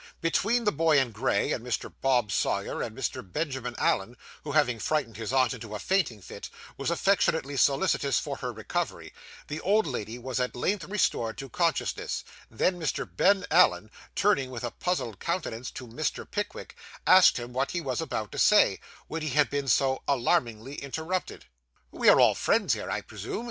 Between the boy in gray, and Mr. Bob Sawyer, and Mr. Benjamin Allen (who having frightened his aunt into a fainting fit, was affectionately solicitous for her recovery) the old lady was at length restored to consciousness; then Mr. Ben Allen, turning with a puzzled countenance to Mr. Pickwick, asked him what he was about to say, when he had been so alarmingly interrupted. 'We are all friends here, I presume?